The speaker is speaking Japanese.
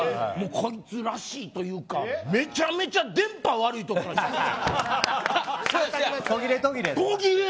こいつらしいというかめちゃくちゃ電波悪い所で。